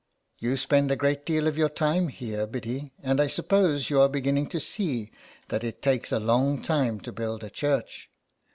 " You spend a great deal of your time here, Biddy, and I suppose you are beginning to see that it takes a long time to build a church.